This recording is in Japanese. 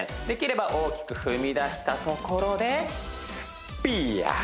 できれば大きく踏み出したところでピーヤ！